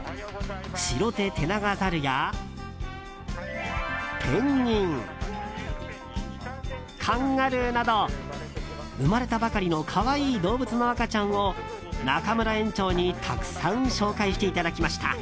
シロテテナガザルやペンギンカンガルーなど生まれたばかりの可愛い動物の赤ちゃんを中村園長にたくさん紹介していただきました。